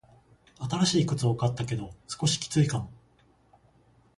新しい靴を買ったけど、少しきついかも。